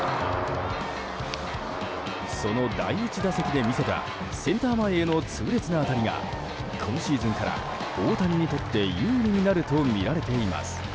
その第１打席で見せたセンター前への痛烈な当たりが今シーズンから大谷にとって有利になるとみられています。